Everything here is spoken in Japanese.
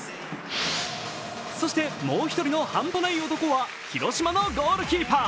そして、もう１人の半端ない男は広島のゴールキーパー。